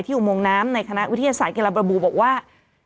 ที่อยู่มงน้ำในคณะวิทยาศาสตร์เกียรติบระบุบอกว่า